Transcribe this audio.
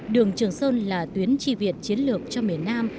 đường trường sơn là tuyến tri việt chiến lược cho miền nam